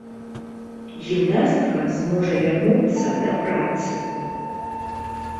Гімнастка зможа вярнуцца да працы.